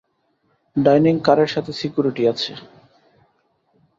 Dining কারের সাথে security আছে।